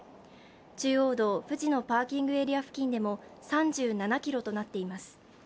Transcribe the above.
中央道藤野パーキングエリア付近でも３７ｋｍとなっています。